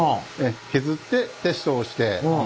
削ってテストをして。